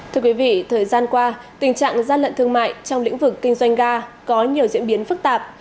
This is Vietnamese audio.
thưa quý vị thời gian qua tình trạng gian lận thương mại trong lĩnh vực kinh doanh ga có nhiều diễn biến phức tạp